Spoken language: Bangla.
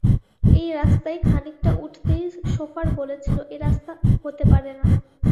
এই রাস্তায় খানিকটা উঠতেই শোফার বলেছিল, এ রাস্তা হতে পারে না।